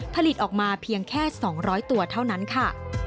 ผลิตออกมาเพียงแค่๒๐๐ตัวเท่านั้นค่ะ